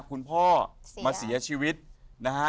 คุณพ่อมาเสียชีวิตนะฮะ